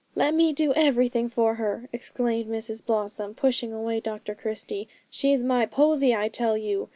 'Let me do everything for her,' exclaimed Mrs Blossom, pushing away Dr Christie; 'she's my Posy, I tell you.